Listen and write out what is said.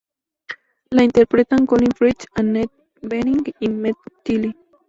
La interpretan Colin Firth, Annette Bening y Meg Tilly.